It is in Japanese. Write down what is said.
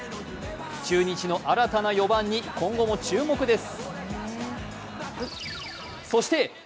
中日の新たな４番に今後も注目です